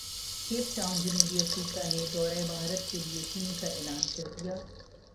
cap Town جنوبی افریقہ نے دورہ بھارت کیلئے ٹیم کا اعلان کردیا